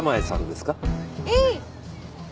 うん！